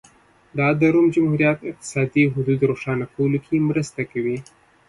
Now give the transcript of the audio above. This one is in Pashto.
دا د روم جمهوریت اقتصادي حدود روښانه کولو کې مرسته کوي